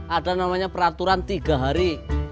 ada namanya peraturan tiga hari